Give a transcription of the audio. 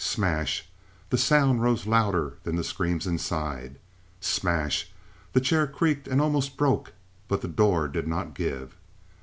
Smash! The sound rose louder than the screams inside. Smash! The chair creaked and almost broke, but the door did not give.